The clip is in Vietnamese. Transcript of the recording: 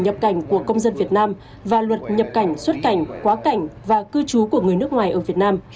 nhập cảnh của công dân việt nam và luật nhập cảnh xuất cảnh quá cảnh và cư trú của người nước ngoài ở việt nam